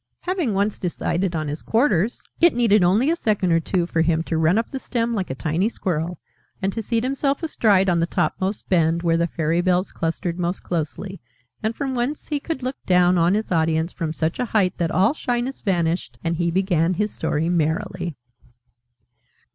Having once decided on his quarters, it needed only a second or two for him to run up the stem like a tiny squirrel, and to seat himself astride on the topmost bend, where the fairy bells clustered most closely, and from whence he could look down on his audience from such a height that all shyness vanished, and he began his Story merrily.